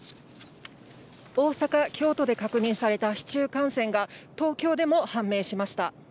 大阪、京都で確認された市中感染が、東京でも判明しました。